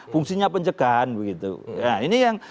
fungsinya pencegahan begitu nah ini yang